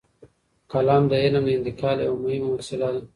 قلم د علم د انتقال یوه مهمه وسیله ده.